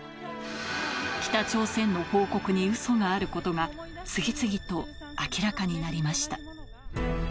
北朝鮮の報告にうそがあることが次々と明らかになりました。